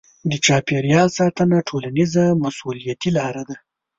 د چاپیریال ساتنه ټولنیزه مسوولیتي لاره ده.